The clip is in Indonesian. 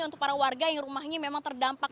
untuk para warga yang rumahnya memang terdampak